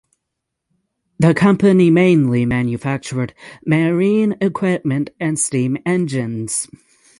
The company mainly manufactured marine equipment and steam engines.